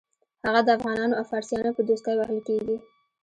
هغه د افغانانو او فارسیانو په دوستۍ وهل کېږي.